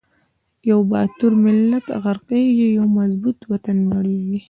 یو باتور ملت غر قیږی، یو مضبوط وطن نړیږی